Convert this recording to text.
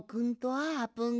あーぷん。